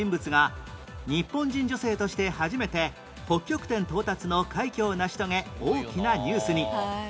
日本人女性として初めて北極点到達の快挙を成し遂げ大きなニュースに